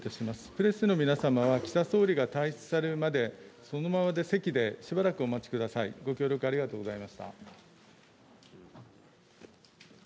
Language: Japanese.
プレスの皆様は岸田総理が退出されるまでそのままで席でしばらくお待ちください。